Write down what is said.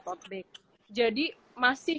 tote bag jadi masih